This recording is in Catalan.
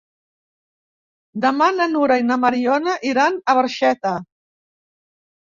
Demà na Nura i na Mariona iran a Barxeta.